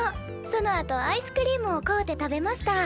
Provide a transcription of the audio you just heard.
そのあとアイスクリームを買うて食べました。